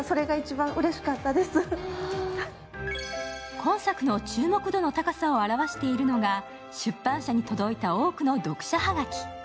今作の注目度の高さを表しているのが出版社に届いた、多くの読者葉書。